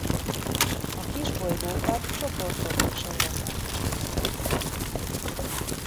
A kisbolygókat csoportokba sorolták a csillagászok.